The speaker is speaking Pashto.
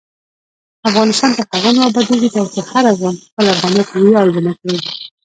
افغانستان تر هغو نه ابادیږي، ترڅو هر افغان په خپل افغانیت ویاړ ونه کړي.